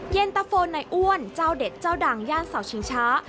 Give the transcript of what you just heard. เย็นตะโฟนในอ้วนเจ้าเด็ดเจ้าดังย่านเสาชิงช้า